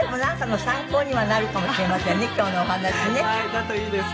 だといいです。